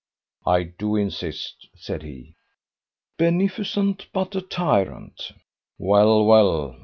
"I do insist," said he. "Beneficent, but a tyrant!" "Well, well."